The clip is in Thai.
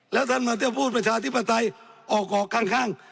แล้วท่านมาเที่ยวพูดประชาธิปไตยออกข้าง